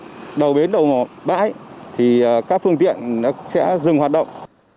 các khu vực đầu bến đầu mỏ bãi thì các phương tiện sẽ dừng hoạt động